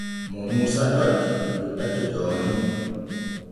Mo Muusa noddi yottake jooni.